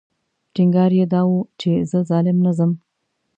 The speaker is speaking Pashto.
ټینګار یې دا و چې زه ظالم نه ځم.